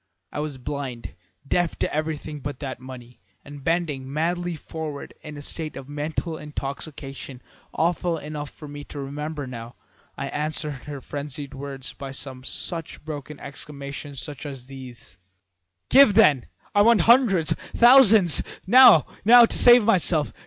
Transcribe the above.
I was blind, deaf to everything but that money, and bending madly forward in a state of mental intoxication awful enough for me to remember now, I answered her frenzied words by some such broken exclamations as these: "'Give, then! I want hundreds thousands now, now, to save myself!